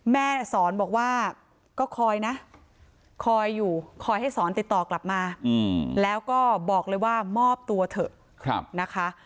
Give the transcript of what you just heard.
แม่สอนบอกว่าก็คอยนะคอยอยู่คอยให้สอนติดต่อกลับมาแล้วก็บอกเลยว่ามอบตัวเถอะนะคะ